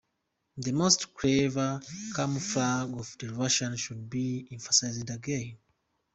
The most clever camouflage of the Russians should be emphasized again.